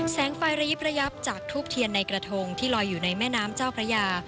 แสงไฟระยิบระยับจากทูบเทียนในกระทงที่ลอยอยู่ในแม่น้ำเจ้าพระยา